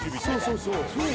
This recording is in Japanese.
そうそうそう。